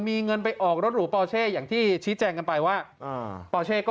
มีเงินไปออกรถหรูปอเช่อย่างที่ชี้แจงกันไปว่าปอเช่ก็